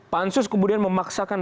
pansus kemudian memaksakan